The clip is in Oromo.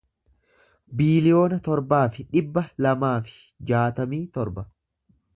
biiliyoona torbaa fi dhibba lamaa fi jaatamii torba